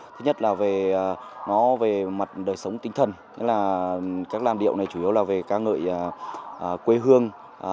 thứ nhất là về mặt đời sống tinh thần các làm điệu này chủ yếu là về ca ngợi quê hương